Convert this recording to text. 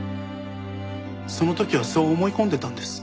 その時はそう思い込んでたんです。